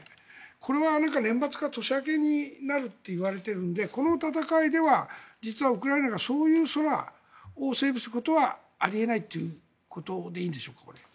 これは年末から年明けになるといわれているのでこの戦いでは実はウクライナがそういう空をセーブすることはあり得ないということでいいんでしょうか？